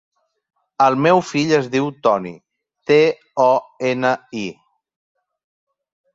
El meu fill es diu Toni: te, o, ena, i.